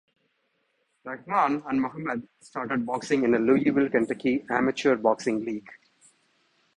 Rahman and Muhammad started boxing in a Louisville, Kentucky amateur boxing league.